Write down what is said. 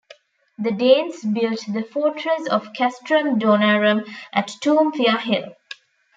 The Danes built the fortress of Castrum Danorum at Toompea Hill.